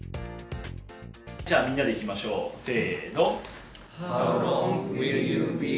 じゃあ、みんなで行きましょう、せの。